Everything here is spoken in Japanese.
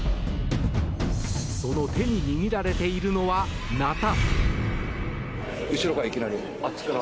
その手に握られているのはナタ。